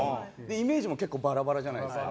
イメージも結構バラバラじゃないですか。